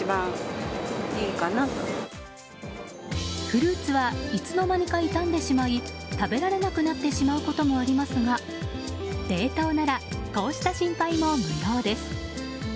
フルーツはいつの間にか傷んでしまい食べられなくなってしまうこともありますが冷凍なら、こうした心配も無用です。